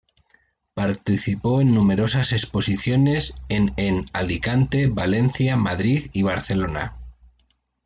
Participó en numerosas exposiciones en en Alicante, Valencia, Madrid y Barcelona.